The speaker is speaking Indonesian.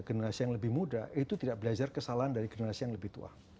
generasi yang lebih muda itu tidak belajar kesalahan dari generasi yang lebih tua